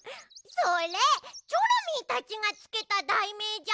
それチョロミーたちがつけただいめいじゃん！